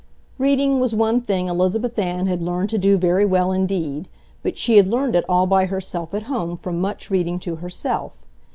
Reading was one thing Elizabeth Ann had learned to do very well indeed, but she had learned it all by herself at home from much reading to herself.